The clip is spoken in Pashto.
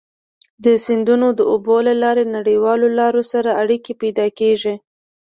د سیندونو د اوبو له لارې نړیوالو لارو سره اړيکي پيدا کیږي.